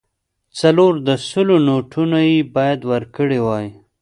څلور د سلو نوټونه یې باید ورکړای وای.